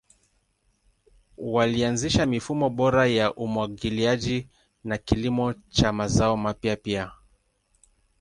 Walianzisha mifumo bora ya umwagiliaji na kilimo cha mazao mapya pia.